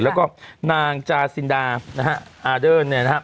แล้วก็นางจาซินดาอาเดิร์นนะครับ